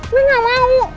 gue gak mau